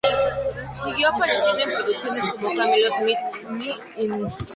Siguió apareciendo en producciones como "Camelot", "Meet Me In St.